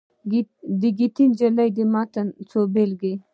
د ګیتا نجلي د متن څو بېلګې.